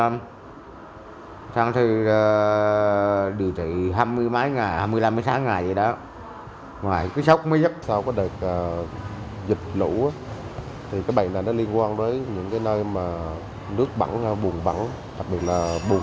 bệnh này liên quan đến những nơi nước bẳng bùn bẳng đặc biệt là bùn